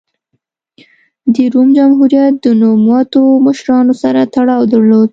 د روم جمهوریت د نوموتو مشرانو سره تړاو درلود.